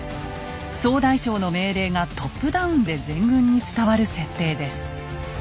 総大将の命令がトップダウンで全軍に伝わる設定です。